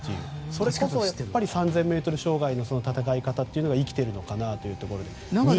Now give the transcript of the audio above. それこそ３０００ｍ障害の戦い方が生きているのかなというところで。